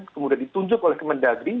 kemudian ditunjuk oleh kemendagri